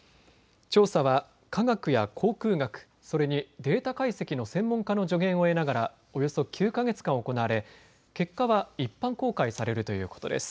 調査は科学や航空学、それにデータ解析の専門家の助言を得ながらおよそ９か月間行われ結果は一般公開されるということです。